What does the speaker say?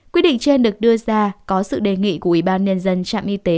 quyết định trên được đưa ra có sự đề nghị của ủy ban nhân dân trạm y tế